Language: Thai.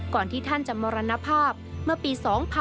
ก่อนที่ท่านจำมรรณภาพเมื่อปี๒๕๓๖